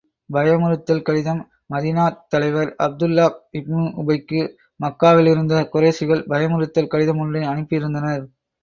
பயமுறுத்தல் கடிதம் மதீனாத் தலைவர் அப்துல்லாஹ் இப்னு உபைக்கு, மக்காவிலிருந்த குறைஷிகள் பயமுறுத்தல் கடிதம் ஒன்றை அனுப்பி இருந்தனர்.